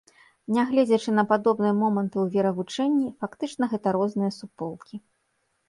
Нягледзячы на падобныя моманты ў веравучэнні, фактычна гэта розныя суполкі.